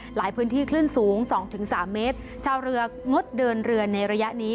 หลายพื้นที่คลื่นสูงสองถึงสามเมตรชาวเรืองดเดินเรือในระยะนี้